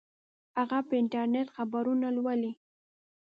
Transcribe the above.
هغه په انټرنیټ خبرونه لولي